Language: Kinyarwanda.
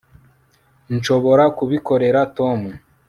nshobora kubikorera tom